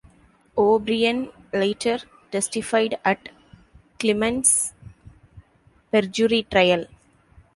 O'Brien later testified at Clemens' perjury trial.